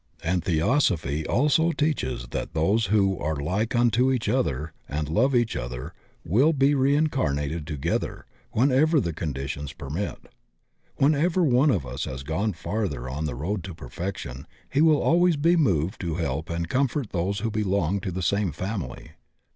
And Theosophy also teaches that diose who are like unto each odier and love each other will be reincarnated together whenever the conditions permit. Whenever one of us has gone farther on the road to perfection, he will always be moved to help and comfort those who belong to the same family.